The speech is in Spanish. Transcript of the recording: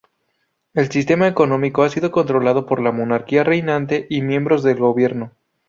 El sistema económico ha sido controlado por la monarquía reinante y miembros del gobierno.